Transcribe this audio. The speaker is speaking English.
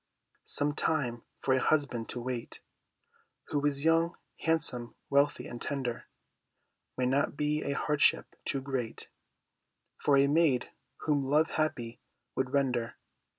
Some time for a husband to wait Who is young, handsome, wealthy, and tender, May not be a hardship too great For a maid whom love happy would render.